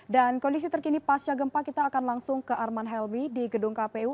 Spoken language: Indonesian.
dan kondisi terkini pasca gempa kita akan langsung ke arman helmi di gedung kpu